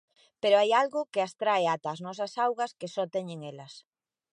Pero hai algo que as trae ata as nosas augas que só teñen elas.